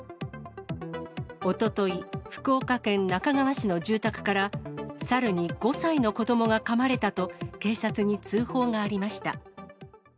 おととい、福岡県那珂川市の住宅から、サルに５歳の子どもがかまれたと、警察に通報がありました。